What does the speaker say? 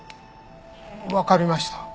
わかりました。